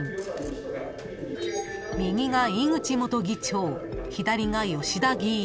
［右が井口元議長左が吉田議員］